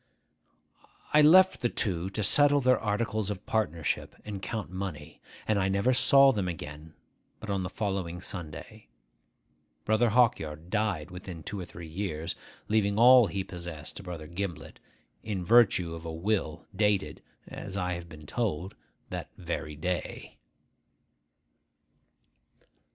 I left the two to settle their articles of partnership, and count money; and I never saw them again but on the following Sunday. Brother Hawkyard died within two or three years, leaving all he possessed to Brother Gimblet, in virtue of a will dated (as I have been told) that very day.